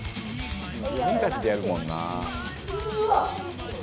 「自分たちでやるもんな」